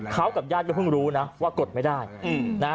เขากับญาติก็เพิ่งรู้นะว่ากดไม่ได้นะฮะ